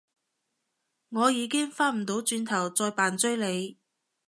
我已經返唔到轉頭再扮追你